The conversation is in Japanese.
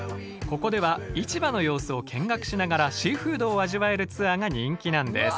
ここでは市場の様子を見学しながらシーフードを味わえるツアーが人気なんです。